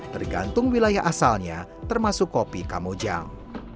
tergantung wilayah asalnya termasuk kopi kamojang